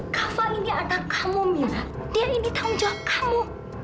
kaval ini ada kamu mila dia ini tanggung jawab kamu